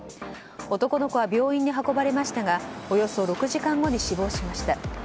男の子は病院に運ばれましたがおよそ６時間後に死亡しました。